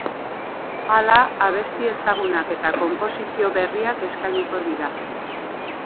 Hala, abesti ezagunak eta konposizio berriak eskainiko dira.